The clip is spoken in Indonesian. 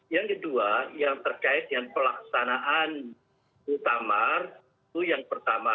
yang kedua yang terkait dengan pelaksanaan muktamar itu yang pertama